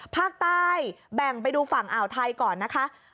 ภาคใต้แบ่งไปดูฝั่งอ่าวไทยก่อนนะคะ